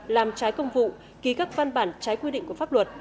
làm trái công vụ ký các văn bản trái quy định của pháp luật